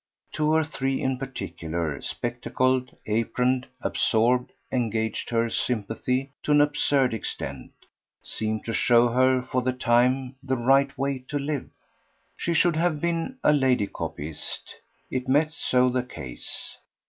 Two or three in particular, spectacled, aproned, absorbed, engaged her sympathy to an absurd extent, seemed to show her for the time the right way to live. She should have been a lady copyist it met so the case.